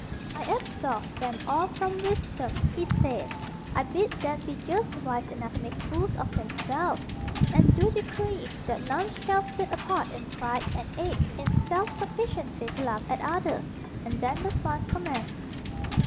"I absolve them all from wisdom," he said; "I bid them be just wise enough to make fools of themselves, and do decree that none shall sit apart in pride and eke in self sufficiency to laugh at others"; and then the fun commenced.